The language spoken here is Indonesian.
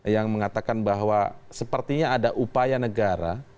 yang mengatakan bahwa sepertinya ada upaya negara